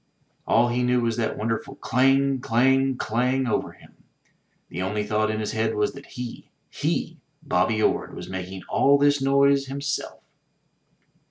All he knew was that wonderful clang! clang! clang! over him; the only thought in his head was that he, he, Bobby Orde, was making all this noise himself!